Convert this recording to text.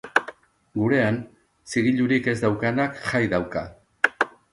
Gurean, zigilurik ez daukanak jai dauka.